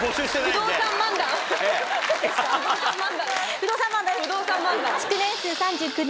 不動産漫談。